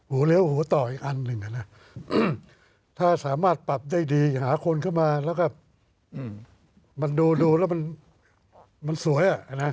เลี้ยวหัวต่ออีกอันหนึ่งนะถ้าสามารถปรับได้ดีหาคนเข้ามาแล้วก็มันดูแล้วมันสวยอ่ะนะ